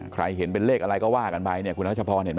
เห็นเป็นเลขอะไรก็ว่ากันไปเนี่ยคุณรัชพรเห็นไหม